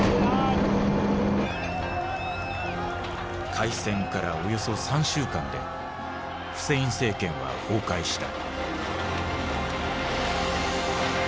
開戦からおよそ３週間でフセイン政権は崩壊した。